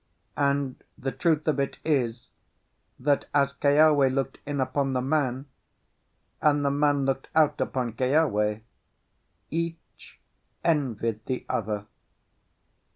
And the truth of it is, that as Keawe looked in upon the man, and the man looked out upon Keawe, each envied the other.